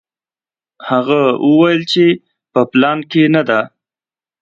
هغه وویل چې په پلان کې نه ده.